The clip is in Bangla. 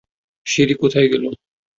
সিঁড়ি কোথায় গেলো?